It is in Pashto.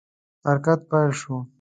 حرکت پیل شو.